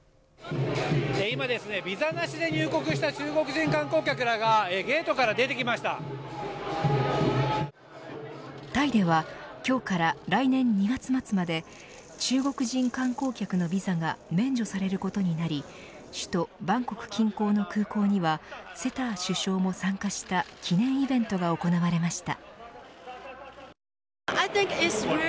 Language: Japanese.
今ですね、ビザなしで入国した中国人観光客らがタイでは、今日から来年２月末まで中国人観光客のビザが免除されることになり首都バンコク近郊の空港にはセター首相も参加した記念イベントが行われました。